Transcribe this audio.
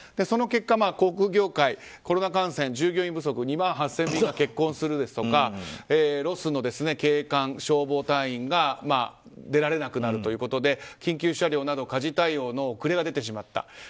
その結果、航空業界コロナ感染、従業員不足で２万８０００便が欠航するですとかロスの警官・消防隊員が出られなくなるということで緊急車両など火事対応の遅れが出てしまった。